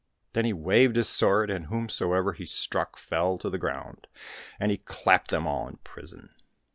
Then he waved his sword, and whomsoever he struck fell to the ground, and he clapped them all in prison.